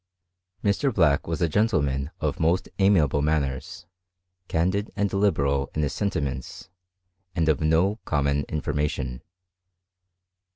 Mr. Black was a gentleman of most amiable manners, candid and liberal in his sentiments, and of no common information.